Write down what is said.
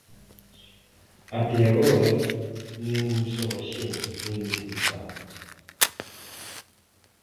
Até agora, nin un só axente foi imputado.